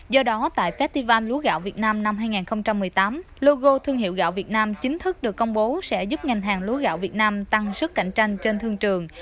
do đó tại festival lúa gạo việt nam năm hai nghìn một mươi tám logo thương hiệu gạo việt nam chính thức được công bố sẽ giúp ngành hàng lúa gạo việt nam tăng sức cạnh tranh trên thương trường